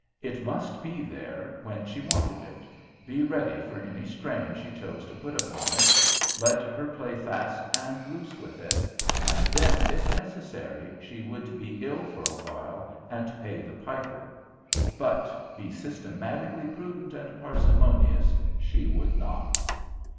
It must be there when she wanted it, be ready for any strain she chose to put upon it, let her play fast and loose with it; and then, if necessary, she would be ill for a while and pay the piper. But be systematically prudent and parsimonious she would not.